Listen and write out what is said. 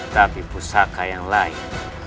tapi pusaka yang lain